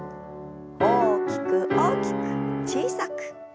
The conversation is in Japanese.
大きく大きく小さく。